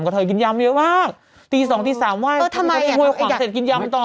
ก็เคยกินยำเยอะมากตีสองตีสามว่าเออทำไมอ่ะฮ่อยขวางเสร็จกินยำต่อ